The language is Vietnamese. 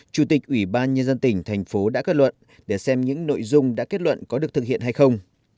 chủ tịch ủy ban nhân dân tỉnh thành phố đã kết luận để xem những nội dung đã kết luận có được thực hiện hay không